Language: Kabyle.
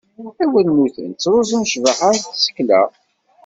Awalnuten ttruẓen ccbaḥa n tsekla.